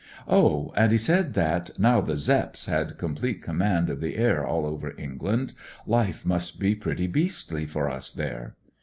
Oh, and he said that, now the Zepps had complete command of the air all over England, life must be pretty beastly for us there.